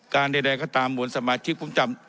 ใดก็ตามเหมือนสมาชิกผมจำ